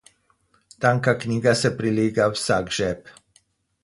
Tanka knjiga se prilega v vsak žep.